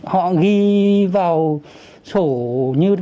họ ghi vào sổ như vậy